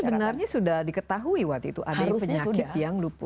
jadi sebenarnya sudah diketahui waktu itu ada penyakit yang lupus